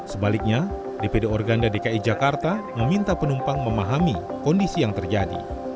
sebaliknya dpd organda dki jakarta meminta penumpang memahami kondisi yang terjadi